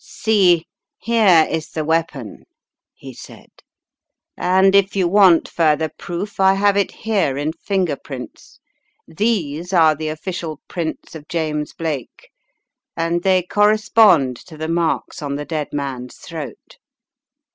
"See, here is the weapon," he said, "and if you want further proof, I have it here in finger prints. These are the official prints of James Blake, and they correspond to the marks on the dead man's throat.